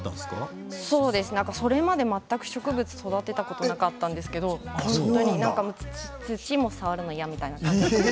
それまで全く植物を育てたことがなかったんですけれど土を触るのもいやみたいな感じで。